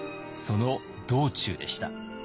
その道中でした。